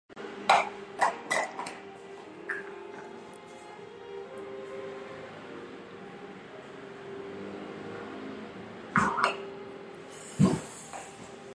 你某陳查某咧偷食烏薰的代誌